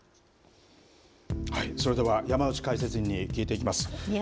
それではやまうち解説委員に聞いていきます。